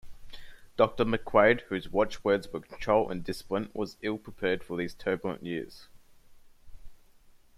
Doctor McQuaid, whose watchwords were control and discipline, was ill-prepared for these turbulent years.